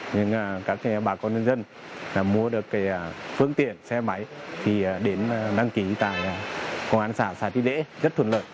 nhưng các bà con nhân dân mua được phương tiện xe máy thì đến đăng ký tại công an xã xã trí lễ rất thuận lợi